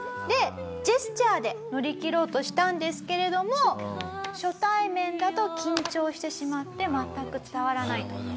でジェスチャーで乗り切ろうとしたんですけれども初対面だと緊張してしまって全く伝わらないと。